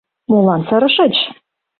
Молан сырышыч?